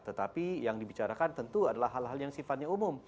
tetapi yang dibicarakan tentu adalah hal hal yang sifatnya umum